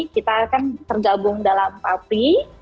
kita akan tergabung dalam papri